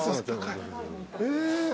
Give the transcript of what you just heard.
え。